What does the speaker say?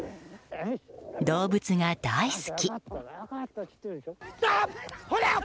動物が大好き。